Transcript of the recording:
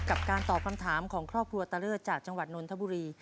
กับการตอบคำถามของครอบครัวตะเลิศจากจังหวัดนนทบุรี